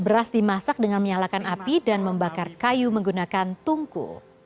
beras dimasak dengan menyalakan api dan membakar kayu menggunakan tungku